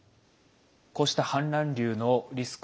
こうした氾濫流のリスク